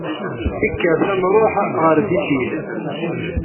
Kkret ad nṛuḥ ɣer Bitil.